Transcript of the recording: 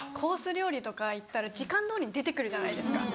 料理とか行ったら時間どおりに出てくるじゃないですか。